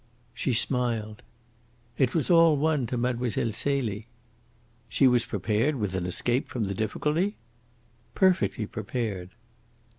She smiled. "It was all one to Mlle. Celie." "She was prepared with an escape from the difficulty?" "Perfectly prepared."